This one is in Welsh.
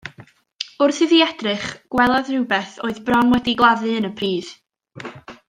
Wrth iddi edrych gwelodd rywbeth oedd bron wedi'i gladdu yn y pridd.